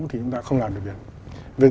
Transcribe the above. thì chúng ta không làm được việc